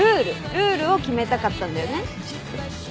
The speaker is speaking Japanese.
ルールを決めたかったんだよね。